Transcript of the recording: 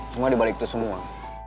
cuma dibalik itu semua